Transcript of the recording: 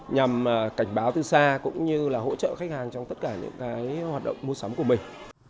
nhằm cảnh báo từ xa cũng như là hỗ trợ khách hàng trong tất cả những hoạt động mua sắm của mình